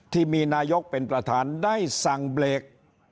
ที่มีนายกเป็นประธานได้สั่งเบรก